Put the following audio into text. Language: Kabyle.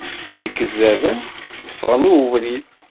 Ikeddaben, teffɣen i ubrid.